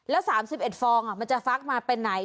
แล้ว๓๑ฟองมันจะฟักมาเป็นไหน